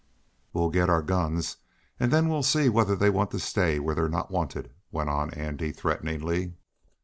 "We'll get our guns, and then we'll see whether they'll want to stay where they're not wanted!" went on Andy, threateningly.